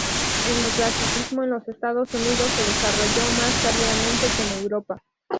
El neoclasicismo en los Estados Unidos se desarrolló más tardíamente que en Europa.